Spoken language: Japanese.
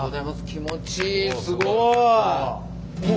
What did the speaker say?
気持ちいいすごい！